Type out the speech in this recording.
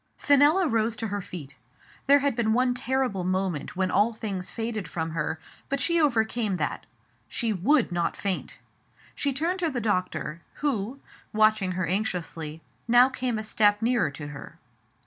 Fenella rose to her feet. There had been one terrible moment when all things faded from her, but she overcame that. She would not faint ! She turned to the doctor, who, watching her anx iously, now came a step nearer to her.